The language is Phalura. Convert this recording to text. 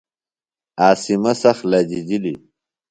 عاصمہ سخت لجِجلیۡ۔